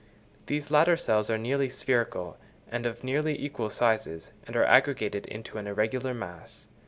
These latter cells are nearly spherical and of nearly equal sizes, and are aggregated into an irregular mass.